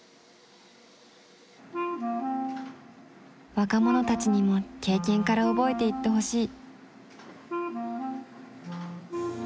若者たちにも経験から覚えていってほしい。